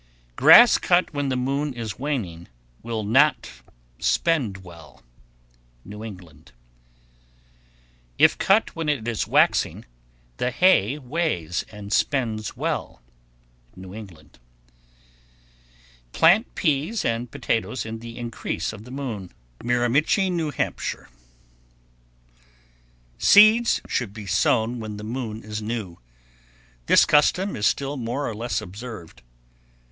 _ 1118. Grass cut when the moon is waning will not "spend well." New England. 1119. If cut when it is waxing, the hay weighs and spends well. New England. 1120. Plant peas and potatoes in the increase of the moon. Miramichi, N.B. 1121. Seeds should be sown when the moon is new. This custom is still more or less observed.